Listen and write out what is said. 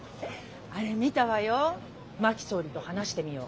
あれ見たわよ。